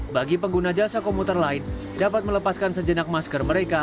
bagi pengguna jasa komuter lain dapat melepaskan sejenak masker mereka